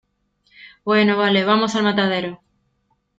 bueno, vale , vamos al matadero.